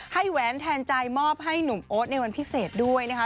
แหวนแทนใจมอบให้หนุ่มโอ๊ตในวันพิเศษด้วยนะคะ